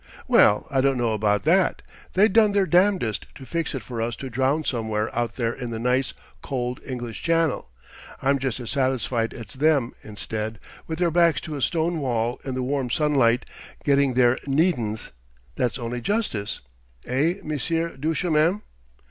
"Well, I don't know about that. They done their damnedest to fix it for us to drown somewhere out there in the nice, cold English Channel. I'm just as satisfied it's them, instead, with their backs to a stone wall in the warm sunlight, getting their needin's. That's only justice. Eh, Monsieur Duchemin?"